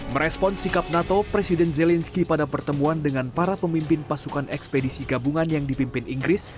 merespon sikap nato presiden zelensky pada pertemuan dengan para pemimpin pasukan ekspedisi gabungan yang dipimpin inggris